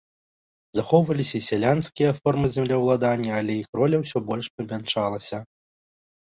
Захоўваліся і сялянскія формы землеўладання, але іх роля ўсё больш памяншалася.